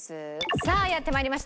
さあやって参りました。